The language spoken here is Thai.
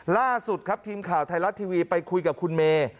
ล่าสุดครับทีมข่าวไทยรัฐทีวีไปคุยกับคุณเมย์